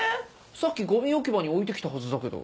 さっきゴミ置き場に置いてきたはずだけど。